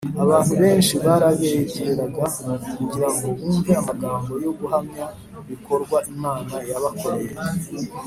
abantu benshi barabegeraga kugira ngo bumve amagambo yo guhamya ibikorwa imana yabakoreye